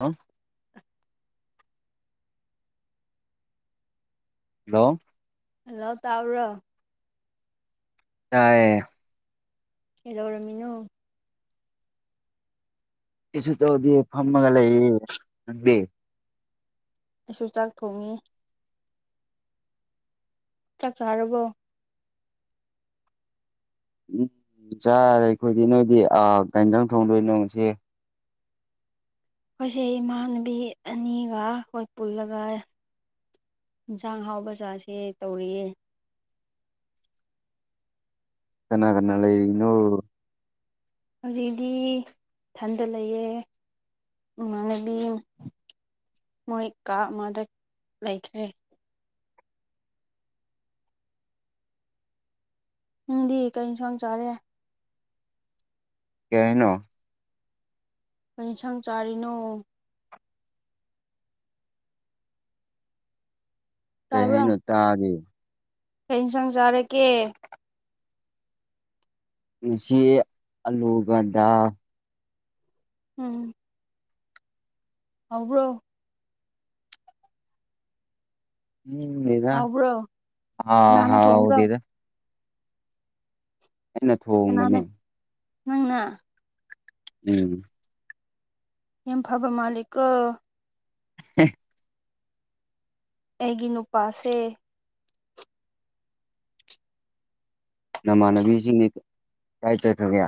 ꯍꯥ hello hello ꯇꯥꯥꯕꯔꯣ ꯇꯥꯢꯌꯦ ꯀꯩꯗꯧꯔꯝꯃꯤꯅꯣ ꯀꯩꯁꯨ ꯇꯧꯗꯦ ꯐꯝꯃꯒ ꯂꯩꯌꯦ ꯅꯪꯗꯤ ꯑꯩꯁꯨ ꯆꯥꯛ ꯊꯣꯡꯉꯤ ꯆꯥꯛ ꯆꯔꯕꯣ ꯎꯝ ꯆꯥꯔꯦ ꯑꯩꯈꯣꯏꯗꯤ ꯅꯣꯏꯗꯤ ꯀꯩ ꯌꯦꯡꯁꯥꯟ ꯊꯣꯡꯗꯣꯏꯅꯣ ꯉꯥꯁꯤ ꯑꯩꯈꯣꯏꯁꯦ ꯏꯃꯥꯟꯅꯕꯤ ꯑꯅꯤꯒ ꯑꯩꯈꯣꯏ ꯄꯨꯜꯂꯒ ꯌꯦꯟꯁꯥꯡ ꯑꯍꯥꯎꯕ ꯆꯁꯤꯦ ꯇꯧꯔꯤꯌꯦ ꯀꯅꯥ ꯀꯅꯥ ꯂꯩꯔꯤꯅꯣ ꯑꯗꯨꯗꯤ ꯢꯊꯟꯗ ꯂꯩꯌꯦ ꯢꯃꯥꯟꯅꯕꯤ ꯃꯣꯏ ꯀꯥ ꯑꯃꯗ ꯂꯩꯈ꯭ꯔꯦ ꯅꯪꯗꯤ ꯀꯩ ꯏꯟꯁꯥꯡ ꯆꯥꯔꯦ ꯀꯩ ꯍꯥꯢꯅꯣ ꯀꯩꯁꯪ ꯆꯥꯔꯤꯅꯣ ꯀꯩ ꯍꯥꯢꯅꯣ ꯇꯗꯦ ꯀꯟꯁꯥꯡ ꯆꯥꯔꯀꯦ ꯉꯁꯤ ꯑꯂꯨꯒꯗꯥ ꯎꯝ ꯍꯧꯕ꯭ꯔꯣ ꯎꯝ ꯏꯗ ꯍꯥꯎꯕ꯭ꯔꯣ ꯑ ꯀꯅꯥꯅ ꯊꯣꯡꯕ꯭ꯔꯣ ꯍꯥꯎꯗꯗ ꯑꯩꯅ ꯀꯅꯥꯅ ꯊꯣꯡꯕꯅꯦ ꯅꯪꯅ ꯎꯝ ꯌꯦꯝ ꯐꯥꯕ ꯃꯥꯂꯤꯛ ꯎ ꯑꯩꯒꯤ ꯅꯨꯄꯥꯁꯦ ꯅꯃꯥꯟꯅꯕꯤ ꯁꯤꯡꯗꯤ ꯀꯥꯢ ꯆꯠꯈꯔꯀꯦ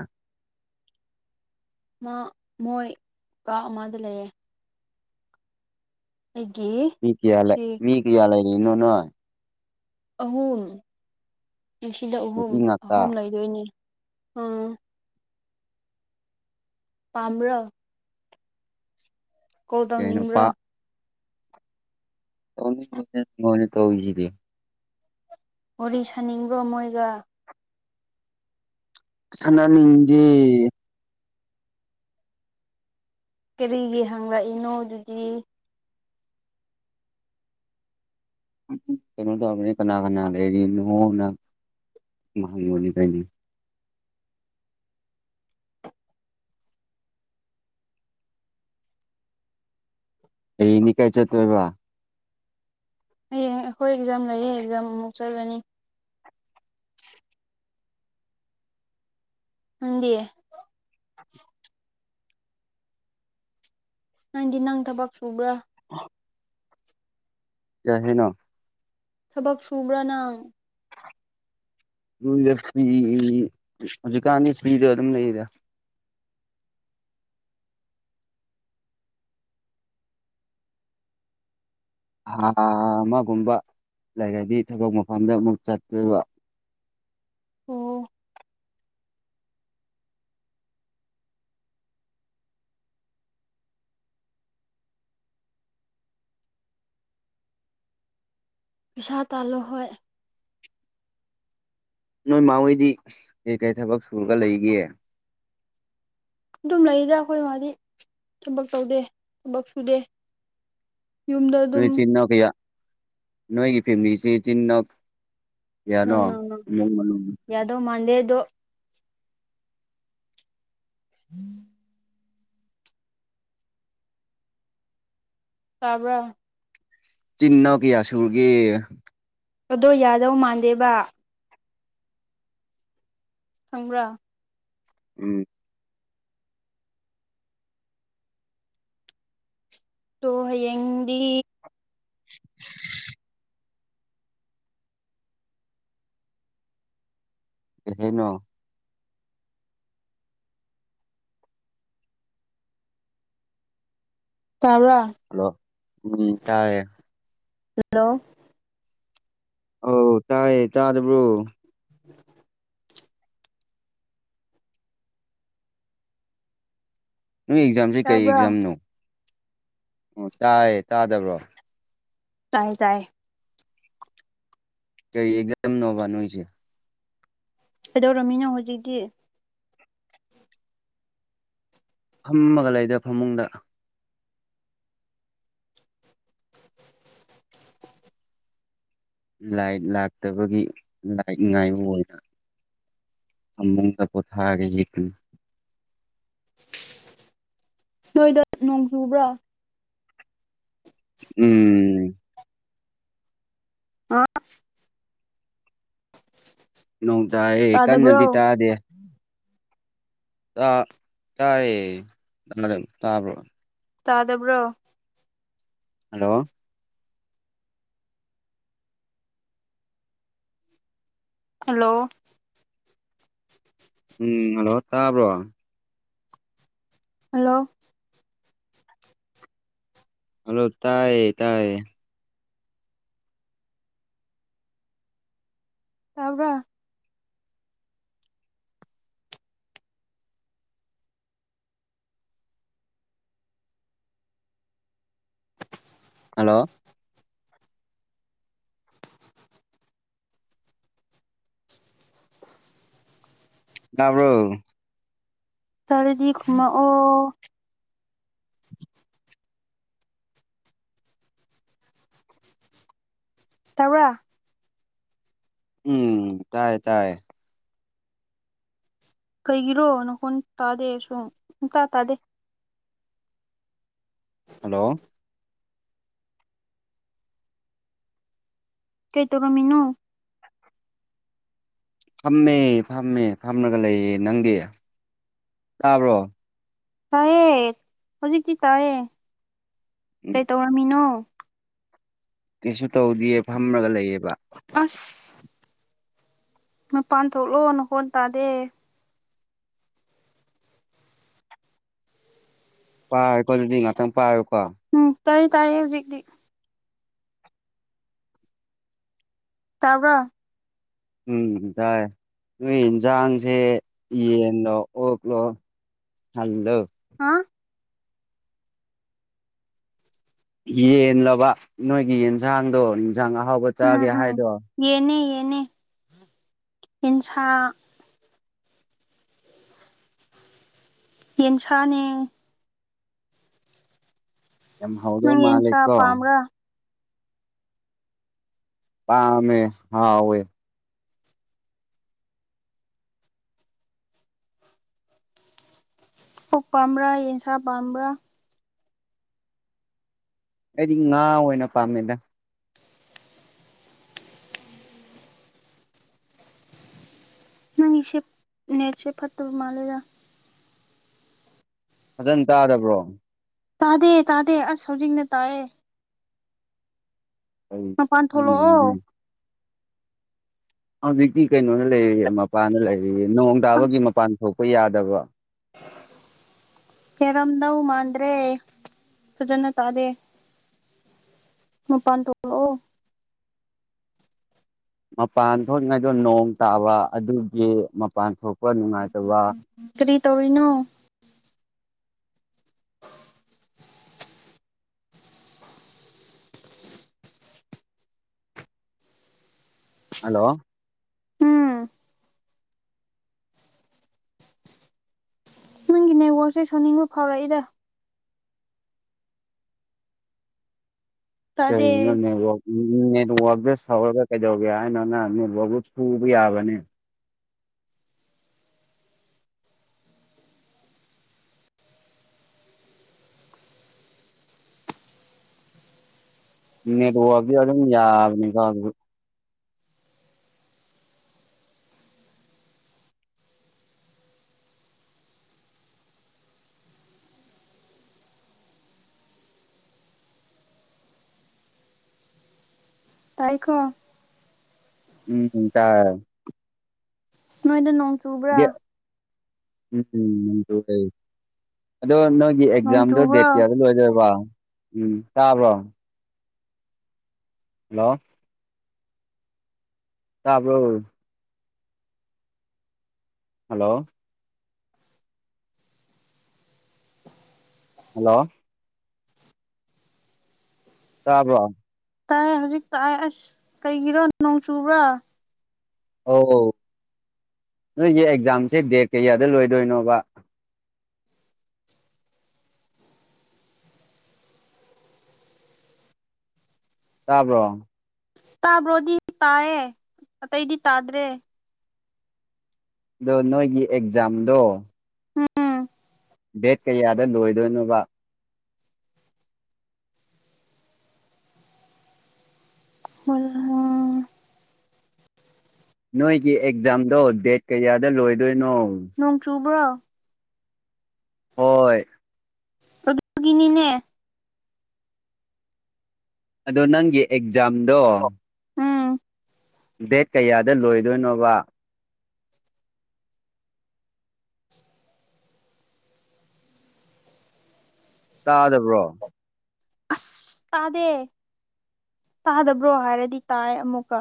ꯃꯥ ꯃꯣꯏ ꯀꯥ ꯑꯃꯗ ꯂꯩꯔꯦ ꯃꯤ ꯀꯌꯥ ꯂꯩ ꯁꯤ ꯃꯤ ꯀꯌꯥ ꯂꯩꯔꯤꯅꯣ ꯅꯣꯏ ꯑꯍꯨꯝ ꯉꯁꯤꯗꯣ ꯑꯍꯨꯝ ꯅꯨꯄꯤ ꯉꯥꯛꯇ ꯑꯍꯨꯝ ꯂꯩꯗꯣꯏꯅꯤ ꯑꯝ ꯄꯝꯕꯔꯣ ꯀꯣꯜ ꯀꯩꯅꯣ ꯇꯧꯅꯤꯡꯕ꯭ꯔꯣ ꯃꯅꯤ ꯇꯧꯖꯤꯗ [unintelligible] ꯋꯥꯔꯤ ꯁꯥꯅꯤꯡꯕ꯭ꯔꯣ ꯃꯣꯏꯒ ꯁꯥꯟꯅꯅꯤꯡꯒꯤꯦ ꯀꯔꯤꯒꯤ ꯍꯪꯂꯛꯏꯅꯣ ꯑꯗꯨꯗꯤ ꯀꯩꯅꯣ ꯀꯅꯥ ꯀꯅꯥ ꯂꯩꯔꯤꯅ ꯃꯍ ꯍꯪꯕꯣꯅꯤ ꯀꯥꯏꯅꯤ ꯑꯩꯅꯤ ꯀꯥꯏ ꯆꯦ ꯇꯥꯏꯕ ꯍꯌꯦꯡ ꯑꯩꯈꯣꯏ ꯑꯦꯛꯖꯥꯝ ꯂꯩꯌꯦ ꯑꯦꯛꯖꯥꯝ ꯑꯃꯨꯛ ꯆꯠꯂꯅꯤ ꯎꯗꯤꯦ ꯅꯪꯗꯤ ꯅꯪ ꯊꯕꯛ ꯁꯨꯕ꯭ꯔꯥ ꯑ ꯌꯥꯦꯅ ꯊꯕꯛ ꯁꯨꯕ꯭ꯔꯥ ꯅꯪ ꯖꯤꯨꯀꯥꯥꯟꯅꯤ ꯁꯄꯤ ꯑꯗꯨꯝ ꯂꯩꯗ ꯍꯥ ꯑꯃꯒꯨꯝꯕ ꯂꯩꯔꯗꯤ ꯊꯣꯏꯗꯣꯛ ꯃꯐꯝꯗ ꯑꯃꯨꯛ ꯆꯠꯇꯣꯏꯕ ꯑꯣ ꯄꯩꯁꯥ ꯇꯥꯂꯨ ꯍꯣꯏ ꯅꯣꯏ ꯃꯥꯍꯣꯏꯗꯤ ꯀꯩꯀꯩ ꯊꯕꯛ ꯁꯨꯔꯒ ꯂꯩꯒꯦ ꯑꯗꯨꯝ ꯂꯩꯔꯤꯗ ꯑꯩꯈꯣꯏ ꯃꯥꯗꯤ ꯊꯕꯛ ꯇꯧꯗꯦ ꯊꯕꯛ ꯁꯨꯗꯦ ꯌꯨꯝꯗ ꯑꯗꯨꯝ ꯅꯣꯏ ꯆꯤꯟꯅ ꯀꯌꯥ ꯅꯣꯏꯒꯤ ꯐꯦꯃꯤꯂꯤꯁꯤ ꯆꯤꯟꯅꯣꯛ ꯌꯥꯅꯣ ꯅꯪ ꯅꯪ ꯅꯪ ꯌꯥꯗꯧ ꯃꯥꯟꯗꯦ ꯑꯗꯣ ꯎꯝ [inaudible] ꯇꯥꯕ꯭ꯔ ꯆꯤꯅ ꯀꯌꯥ ꯁꯨꯔꯒꯤ ꯑꯗꯣ ꯌꯥꯗꯧ ꯃꯥꯟꯗꯦꯕ ꯈꯪꯕ꯭ꯔꯥ ꯎꯝ ꯇꯣꯍꯌꯦꯗꯤ [unintelligible] ꯀꯩꯅꯣ ꯇꯥꯕ꯭ꯔꯥ ꯍꯜꯂꯣ ꯎꯝ ꯇꯥꯑꯦ ꯍꯜꯂꯣ ꯑꯧ ꯇꯥꯏꯌꯦ ꯇꯥꯗꯕ꯭ꯔꯣ ꯅꯣꯏ ꯑꯦꯛꯖꯥꯝꯁꯤ ꯀꯔꯤ ꯇꯥꯕ꯭ꯔꯥ ꯑꯦꯛꯖꯥꯝꯅꯣ ꯑꯣ ꯇꯥꯏꯌꯦ ꯇꯥꯗꯕ꯭ꯔꯣ ꯇꯥꯏ ꯇꯥꯏ ꯀꯩ ꯑꯦꯗꯝ ꯅꯣꯕ ꯅꯣꯁꯦ ꯀꯩꯗꯧ ꯔꯣꯃꯤꯅꯣ ꯍꯧꯖꯤꯛꯇꯤ ꯐꯝꯃꯒ ꯂꯩꯗ ꯐꯃꯨꯡꯗ ꯂꯥꯏꯠ ꯂꯥꯛꯇꯕꯒꯤ ꯂꯥꯏꯠ ꯉꯥꯏꯕ ꯑꯝꯕꯗ ꯄꯊꯥꯒꯤ ꯍꯀ ꯅꯣꯏꯗ ꯅꯣꯡꯖꯨꯕ꯭ꯔꯥ ꯎꯝ ꯑ [unintelligible] ꯅ ꯇꯅ ꯇꯥꯗꯕ꯭ꯔꯣ ꯅꯗꯤ ꯇꯥꯗꯦ ꯑ ꯇꯔꯌꯦ ꯇꯥ ꯇꯥꯗꯕ꯭ꯔꯣ ꯍꯜꯂꯣ ꯍꯜꯂꯣ ꯎꯝ ꯑꯗꯣ ꯇꯥꯕ꯭ꯔꯣ ꯍꯜꯂꯣ ꯍꯜꯂꯣ ꯇꯥꯏꯌꯦ ꯇꯥꯏꯌꯦ ꯇꯕ꯭ꯔ ꯍꯂꯣ ꯇꯥꯕ꯭ꯔꯣ ꯇꯔꯗꯤ ꯈꯨꯃ ꯑꯣ ꯇꯧꯔ ꯎꯝ ꯇꯥꯏꯌꯦ ꯇꯥꯏ ꯀꯩꯒꯤꯔꯣ ꯅꯈꯣꯟ ꯇꯥꯗꯦ ꯁꯨꯝ ꯁꯨꯡꯇꯥ ꯇꯥꯗꯦ ꯍꯜꯂꯣ ꯀꯩ ꯇꯧꯔꯝꯃꯤꯅꯣ ꯐꯝꯃꯦ ꯐꯝꯃꯦ ꯐꯝꯂꯒ ꯂꯩꯌꯦ ꯅꯪꯗꯤ ꯇꯥꯕ꯭ꯔꯣ ꯆꯥꯏꯑꯦ ꯍꯧꯖꯤꯛꯇꯤ ꯇꯥꯏꯌꯦ ꯎꯝ ꯀꯩ ꯇꯧꯔꯝꯃꯤꯅꯣ ꯀꯩꯁꯨ ꯇꯧꯗꯌꯦ ꯐꯝꯔꯒ ꯂꯩꯌꯦꯕ [unintelligible] ꯃꯄꯥꯟ ꯊꯣꯛꯂꯣ ꯅꯍꯣꯟ ꯇꯥꯗꯦ ꯄꯥꯏ ꯀꯣ ꯗꯨꯗꯤ ꯉꯥꯛꯇꯪ ꯄꯥꯏꯑꯣꯀꯣ ꯇꯥꯏ ꯇꯥꯏ ꯍꯧꯖꯥꯛ ꯇꯤ ꯇꯕꯔ ꯎꯝ ꯇꯥꯏ ꯅꯣꯏ ꯌꯦꯟꯖꯥꯡꯁꯦ ꯌꯦꯟꯂꯣ ꯑꯣꯛꯂꯣ ꯍꯜꯂꯣ ꯍꯥ ꯌꯦꯜꯂꯕ ꯅꯣꯏꯒꯤ ꯌꯦꯟꯁꯥꯡꯗꯣ ꯌꯦꯟꯁꯥꯡ ꯑꯍꯥꯎꯕ ꯆꯥꯒꯦ ꯍꯥꯏꯗꯣ ꯅꯦ ꯍꯤꯡꯁꯥ ꯌꯦꯟꯁꯥꯅꯦ ꯌꯥꯝ ꯍꯥꯎꯗꯧ ꯅꯪ ꯌꯦꯟ ꯁꯥ ꯃꯥꯜꯂꯦꯀꯣ ꯄꯝꯕ꯭ꯔ ꯄꯥꯝꯃꯦ ꯍꯥꯥꯎꯑꯦ ꯑꯣꯛ ꯄꯥꯝꯕ꯭ꯔꯥ ꯌꯦꯟꯁꯥ ꯄꯥꯝꯕ꯭ꯔꯥ ꯑꯩꯗꯤ ꯉꯥ ꯑꯣꯏꯅ ꯄꯥꯝꯃꯦꯗ ꯅꯪꯁꯦꯞ ꯅꯦꯠꯁꯦ ꯐꯠꯇꯕ ꯃꯥꯂꯦꯗ ꯐꯖꯅ ꯇꯥꯗꯕ꯭ꯔꯣ ꯇꯥꯗꯦ ꯇꯥꯗꯦ ꯑꯁ ꯍꯧꯖꯤꯛꯅ ꯇꯥꯏꯑꯌꯦ ꯑꯩ ꯃꯄꯥꯟ ꯊꯣꯛꯂꯛꯑꯣ ꯈꯪꯗꯦꯅꯦ ꯍꯧꯖꯤꯛꯇꯤ ꯀꯩꯅꯣꯅ ꯂꯩꯔꯤ ꯃꯄꯥꯟꯗ ꯂꯩꯔꯤꯌꯦ ꯅꯣꯡ ꯇꯥꯕꯒꯤ ꯃꯄꯥꯟ ꯊꯣꯛꯄ ꯌꯥꯗꯕ꯭ꯔꯥ [unintelligible] ꯀꯦꯔꯝꯗꯎ ꯃꯥꯟꯗ꯭ꯔꯦ ꯐꯖꯅ ꯇꯥꯗꯦ ꯃꯄꯥꯟ ꯇꯣꯂꯑꯣ ꯃꯄꯥꯟ ꯊꯣꯛꯏꯉꯩꯗꯣ ꯅꯣꯡ ꯇꯥꯕ ꯑꯗꯨꯒꯤ ꯃꯄꯥꯟ ꯊꯣꯛꯄ ꯐ ꯅꯨꯅꯨꯡꯉꯥꯏꯇ ꯋꯥ ꯀꯔꯤ ꯇꯧꯔꯤꯅꯣ [unintelligible] [unintelligible] ꯍꯜꯂꯣ ꯎꯝ ꯅꯣꯏꯒꯤꯅꯦꯋꯥꯛꯁꯦ ꯁꯧꯅꯤꯡꯕ ꯐꯥꯎꯔꯛꯏꯗ ꯇꯥꯗꯦ ꯀꯩꯅꯣ ꯅꯦꯠꯋꯥꯛ ꯁꯧꯔꯒ ꯀꯩꯗꯧꯒꯦ ꯍꯥꯏꯅꯣꯅ [unintelligible] ꯅꯜꯕꯣꯕꯨ ꯊꯨꯕ ꯌꯥꯕꯅꯦ ꯅꯦ ꯋꯥꯗꯤ ꯑꯗꯨꯝ ꯌꯥꯗꯅꯤ ꯀ ꯑꯗꯨ ꯇꯥꯏꯀꯣ ꯎꯝ ꯇꯥꯏ ꯅꯣꯏꯗ ꯅꯣꯡ ꯆꯨꯕ꯭ꯔꯥ ꯎꯝ ꯑꯗꯣ ꯅ ꯒꯤ ꯅꯣꯡ ꯑꯦꯛꯖꯥꯝꯗꯣ ꯗꯦꯠ ꯆꯨꯕ꯭ꯔꯣ ꯀꯌꯥꯗ ꯂꯣꯏꯗꯣꯏꯕ ꯎꯝ ꯇꯥꯕ꯭ꯔꯣ ꯍꯜꯂꯣ ꯇꯥꯕ꯭ꯔꯣ ꯍꯜꯂꯣ ꯍꯜꯂꯣ ꯇꯥꯕꯔꯣ ꯇꯥꯏ ꯍꯧꯖꯤꯛ ꯇꯥꯛꯑ ꯑꯁ ꯀꯩꯒꯤꯔꯣ ꯅꯣꯡ ꯆꯨꯕ꯭ꯔꯥ ꯑꯧ ꯅꯣꯏꯒꯤ ꯑꯦꯛꯖꯥꯝꯁꯦ ꯗꯦꯠ ꯀꯌꯥꯗ ꯂꯣꯏꯗꯣꯏꯅꯣꯕ ꯇꯥꯕ꯭ꯔꯣ ꯇꯥꯕ꯭ꯔꯣꯗꯤ ꯇꯥꯏꯌꯦ ꯑꯇꯩꯗꯤ ꯇꯥꯗ꯭ꯔꯦ ꯑꯗꯣ ꯅꯣꯏꯒꯤ ꯑꯦꯛꯖꯥꯝꯗꯣ ꯎꯝ ꯗꯦꯠ ꯀꯌꯥꯗ ꯂꯣꯏꯗꯣꯏꯅꯣꯕ ꯃꯔ ꯅꯣꯏꯒꯤ ꯑꯦꯛꯖꯥꯝꯗꯣ ꯗꯦꯠ ꯀꯌꯥꯗ ꯂꯣꯏꯗꯣꯏꯅꯣ ꯅꯣꯡ ꯆꯨꯕ꯭ꯔꯣ ꯍꯣꯏ ꯑꯗꯨꯗꯒꯤꯅꯤꯅꯦ ꯑꯗꯣ ꯅꯪꯒꯤ ꯑꯦꯛꯖꯥꯝꯗꯣ ꯎꯝ ꯕꯦꯠ ꯀꯌꯥꯗ ꯂꯣꯏꯗꯣꯏꯅꯣꯕ ꯇꯥꯗꯕ꯭ꯔꯣ ꯑꯁ ꯇꯥꯗꯦ ꯇꯥꯗꯕ꯭ꯔꯣ ꯍꯥꯏꯔꯗꯤ ꯇꯥꯏ ꯑꯃꯨꯛꯀ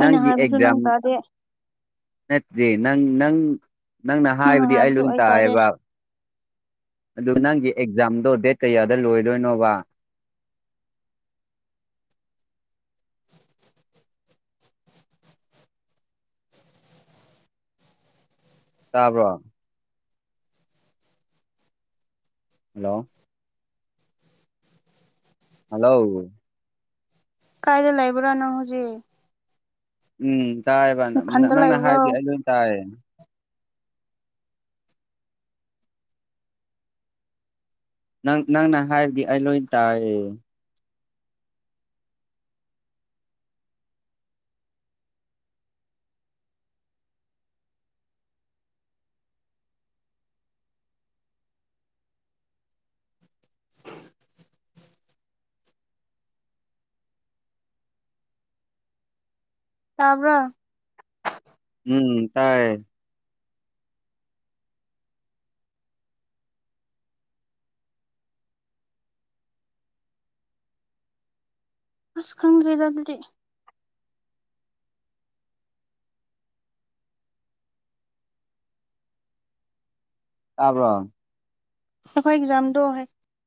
ꯑꯩꯅ ꯍꯥꯏꯕꯁꯨ ꯑꯦꯛꯖꯥꯝ ꯅꯪ ꯇꯥꯗꯦ ꯅꯠꯇꯦ ꯅꯪ ꯅꯪ ꯅꯪꯅ ꯍꯥꯏꯕꯗꯤ ꯑꯩ ꯂꯣꯏ ꯇꯥꯏꯌꯦꯕ ꯑꯗꯨ ꯅꯪꯒꯤ ꯑꯦꯛꯖꯥꯝꯗꯣ ꯗꯦꯠ ꯀꯌꯥꯗ ꯂꯣꯏꯗꯣꯏꯅꯣꯕ ꯇꯥꯕ꯭ꯔꯣ ꯍꯜꯂꯣ ꯍꯜꯂꯣ ꯀꯥꯏꯗ ꯂꯥꯏꯕ꯭ꯔꯥ ꯅꯍꯧꯖꯤꯛ ꯎꯝ ꯇꯥꯏꯕ ꯅꯪꯅ ꯂꯩꯕ꯭ꯔꯣ ꯍꯥꯏꯒ ꯑꯩ ꯂꯣꯏ ꯇꯥꯏꯌꯦ ꯅꯪ ꯅꯪꯅ ꯍꯥꯏꯔꯗꯤ ꯑꯩ ꯂꯣꯏ ꯇꯥꯏꯌꯦ ꯇꯥꯕ꯭ꯔꯣ ꯎꯝ ꯇꯥꯏ ꯑꯁ ꯈꯟꯗꯔꯤꯗ ꯑꯗꯨꯗꯤ ꯇꯥꯕ꯭ꯔꯣ ꯑꯀꯍꯧ ꯑꯛꯖꯥꯝꯗꯣ